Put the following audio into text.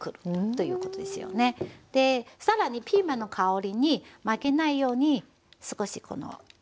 で更にピーマンの香りに負けないように少しこの。